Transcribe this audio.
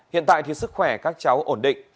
hiện tại sức khỏe các cháu ổn định